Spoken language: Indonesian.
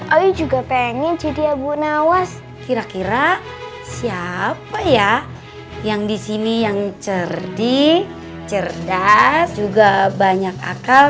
oh juga pengen jadi abu nawas kira kira siapa ya yang disini yang cerdik cerdas juga banyak akal